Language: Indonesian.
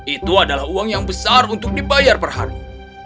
itu adalah uang yang besar untuk dibayar per hari